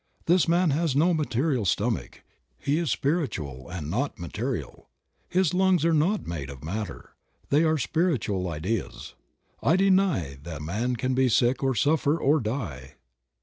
This man has no material stomach, he is spiritual and not material ; his lungs are not made of matter, they are spiritual ideas; I deny that man can be sick or suffer or die."